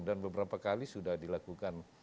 dan beberapa kali sudah dilakukan